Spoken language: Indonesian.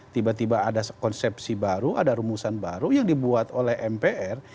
tiba tiba ada konsepsi baru ada rumusan baru yang dibuat oleh mpr